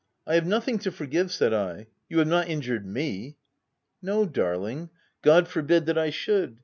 " I have nothing to forgive," said I. " You have not injured me." t( No, darling — God forbid that I should